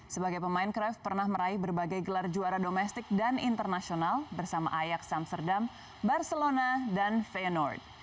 sebagai pemain cruyff pernah meraih berbagai gelar juara domestik dan internasional bersama ajax amsterdam barcelona dan feyenoord